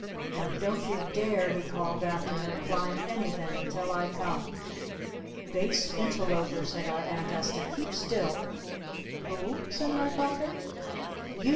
"Now don't you dare," he called after her, "climb anything until I come!" "Base Interloper!" said our Aunt Esta. "Keep Still!" "Who?" said my Father. "_You!